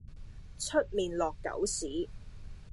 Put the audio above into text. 出面落狗屎